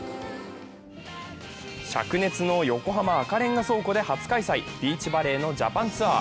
しゃく熱の横浜・赤レンガ倉庫で初開催、ビーチバレーのジャパンツアー。